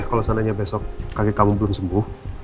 oh ya kalau seandainya besok kakek kamu belum sembuh